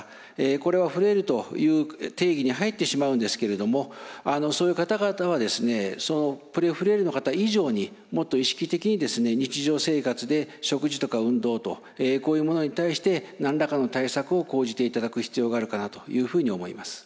これはフレイルという定義に入ってしまうんですけれどもそういう方々はプレフレイルの方以上にもっと意識的に日常生活で食事とか運動とこういうものに対して何らかの対策を講じていただく必要があるかなというふうに思います。